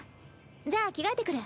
じゃあ着替えてくる。